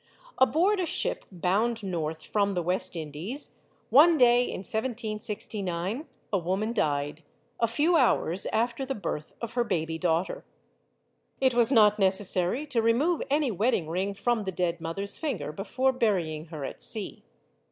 Aboard a ship bound north from the West Indies, one day in 1 769, a woman died, a few hours after the birth of her baby daughter. It was not necessary to remove any wedding ring from the dead mother's finger before burying her at sea.